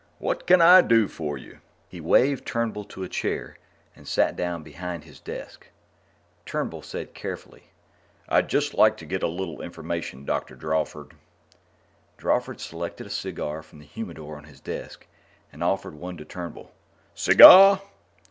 What can I do for you?" He waved Turnbull to a chair and sat down behind his desk. Turnbull said carefully: "I'd just like to get a little information, Dr. Drawford." Drawford selected a cigar from the humidor on his desk and offered one to Turnbull. "Cigar?